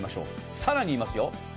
更に言いますよ。